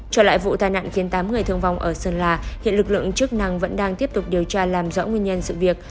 trở lại vụ tai nạn khiến tám người thương vong ở sơn la hiện lực lượng chức năng vẫn đang tiếp tục điều tra làm rõ nguyên nhân sự việc